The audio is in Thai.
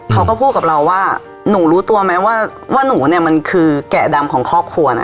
เขาก็พูดกับเราว่าหนูรู้ตัวไหมว่าหนูเนี่ยมันคือแกะดำของครอบครัวนะ